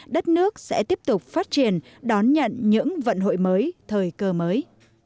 đất nước sẽ tiếp tục phát triển đón nhận những vận hội mới thời cơ mới